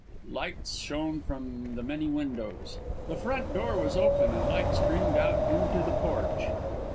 Lights shone from the many windows. The front door was open, and light streamed out into the porch.